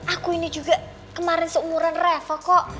aku ini juga kemarin seumuran revo kok